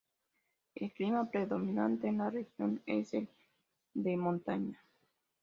El clima predominante en la región es el de montaña.